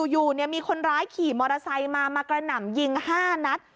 อยู่มีคนร้ายขี่มอเตอร์ไซค์มามากระหน่ำยิง๕นัด